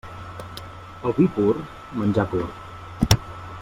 El vi pur, menjar curt.